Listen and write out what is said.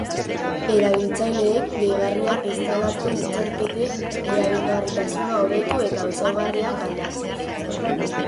Erabiltzaileek gehigarriak instalatu ditzakete erabilgarritasuna hobetu eta ezaugarriak aldatuz.